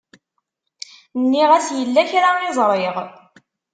Nniɣ-as yella kra i ẓriɣ.